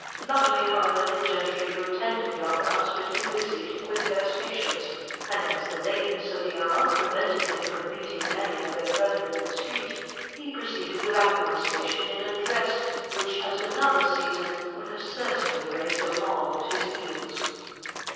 Luckily, however, the gentry who attend at the Opera House were too busy to quit their stations, and as the lateness of the hour prevented him from meeting many of their brethren in the street, he proceeded without molestation in a dress, which at another season would have certainly raised a mob at his heels."